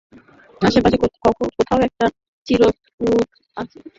আশেপাশে কোথাও একটা চিরকুট আছে?